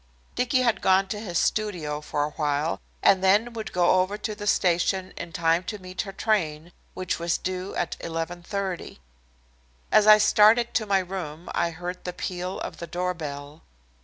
Dicky had gone to his studio for a while and then would go over to the station in time to meet her train, which was due at 11:30. As I started to my room I heard the peal of the doorbell.